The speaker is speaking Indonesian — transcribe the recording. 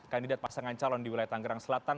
kandidat pasangan calon di wilayah tanggerang selatan